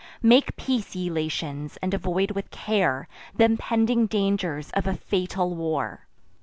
Make peace, ye Latians, and avoid with care Th' impending dangers of a fatal war.